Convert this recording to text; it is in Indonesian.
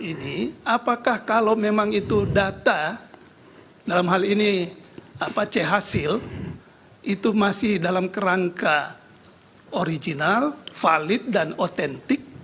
ini apakah kalau memang itu data dalam hal ini chasil itu masih dalam kerangka original valid dan otentik